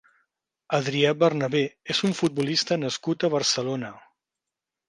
Adrià Bernabé és un futbolista nascut a Barcelona.